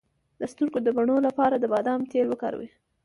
د سترګو د بڼو لپاره د بادام تېل وکاروئ